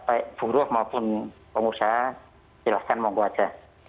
baik buruh maupun pengusaha jelas kan monggo saja